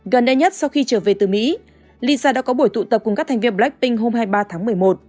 gần đây nhất sau khi trở về từ mỹ lisa đã có buổi tụ tập cùng các thành viên blackpink hôm hai mươi ba tháng một mươi một